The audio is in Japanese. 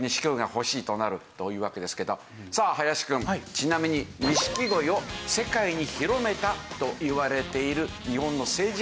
ちなみに錦鯉を世界に広めたといわれている日本の政治家がいるんですがさあ